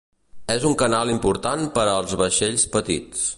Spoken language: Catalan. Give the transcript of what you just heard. És un canal important per als vaixells petits.